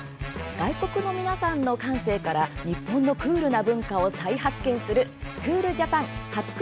外国の皆さんの感性から日本のクールな文化を再発見する「ＣＯＯＬＪＡＰＡＮ発掘！